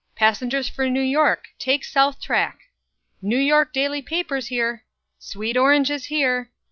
"Passengers for New York take south track!" "New York daily papers here!" "Sweet oranges here!"